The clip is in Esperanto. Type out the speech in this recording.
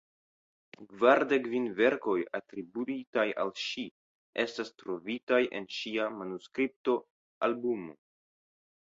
Kvardek kvin verkoj atribuitaj al ŝi estas trovitaj en ŝia manuskriptoalbumo.